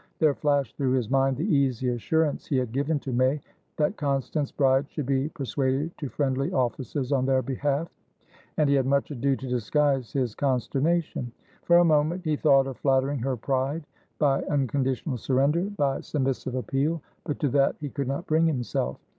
There flashed through his mind the easy assurance he had given to Maythat Constance Bride should be persuaded to friendly offices on their behalf, and he had much ado to disguise his consternation. For a moment he thought of flattering her pride by unconditional surrender, by submissive appeal, but to that he could not bring himself.